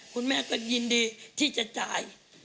คุณแม่ก็ยินดีที่จะจ่าย